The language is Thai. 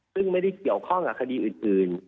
ซึ่งไม่ได้เกี่ยวข้องกับคดีอื่น